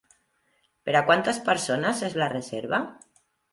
Per a quantes persones és la reserva?